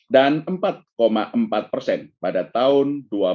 dan empat empat pada tahun dua ribu dua puluh dua